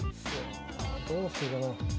どうしようかな。